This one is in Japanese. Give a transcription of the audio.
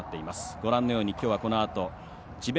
ご覧のようにこのあと智弁